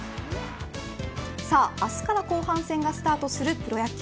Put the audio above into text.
さあ、明日から後半戦がスタートするプロ野球